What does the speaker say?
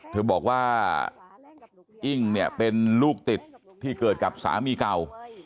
เธอบอกว่าอิ้งเนี่ยเป็นลูกติดที่เกิดกับสามีเก่า